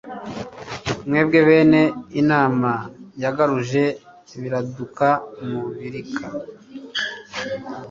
Mwebwe bene inama Yagaruje Biraduka mu Birika.